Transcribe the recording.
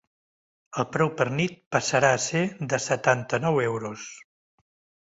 El preu per nit passarà a ser de setanta-nou euros.